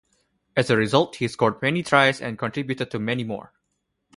As a result, he scored many tries and contributed to many more.